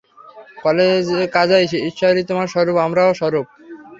কাজেই ঈশ্বরই তোমার স্বরূপ, আমারও স্বরূপ।